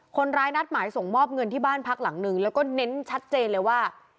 นัดหมายส่งมอบเงินที่บ้านพักหลังนึงแล้วก็เน้นชัดเจนเลยว่า